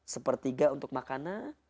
sepertiga untuk makanan